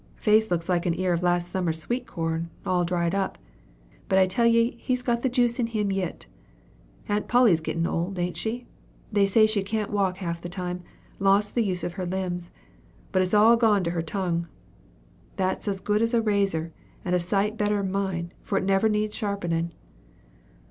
Face looks like an ear of last summer's sweet corn, all dried up; but I tell ye he's got the juice in him yit! Aunt Polly's gittin' old, ain't she? They say she can't walk half the time lost the use of her limbs; but it's all gone to her tongue. That's as good as a razor, and a sight better 'n mine, for it never needs sharpenin'.